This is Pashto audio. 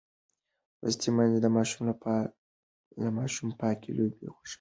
لوستې میندې د ماشوم پاکې لوبې خوښوي.